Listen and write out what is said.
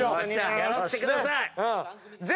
やらせてください！